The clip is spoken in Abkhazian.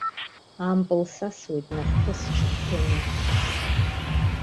Ампыл сасуеит нахьхьи сҽыхәжәаны.